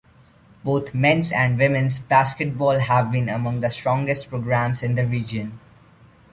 Both men's and women's basketball have been among the strongest programs in the region.